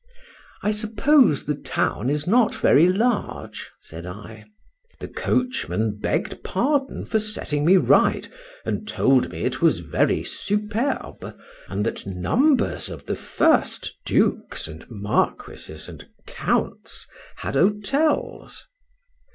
—I suppose the town is not very large, said I.—The coachman begg'd pardon for setting me right, and told me it was very superb, and that numbers of the first dukes and marquises and counts had hotels.